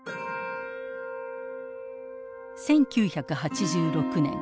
１９８６年。